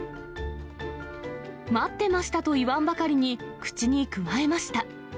待ってましたと言わんばかりに、口にくわえました。